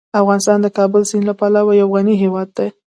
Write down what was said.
افغانستان د کابل سیند له پلوه یو غني هیواد دی.